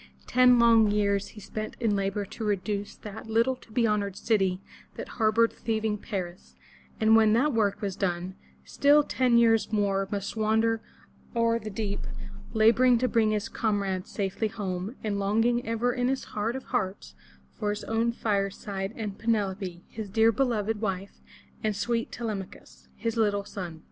Ten long years he spent in labor to reduce that little to be honored city that harbored thieving Paris, and when that work was done, still ten years more must wander o'er the deep, laboring to bring his comrades safely home, and longing ever in his heart of hearts for his own fireside, and Pe neFo pe, his dear beloved wife, and sweet Te lem'a chus, his little son.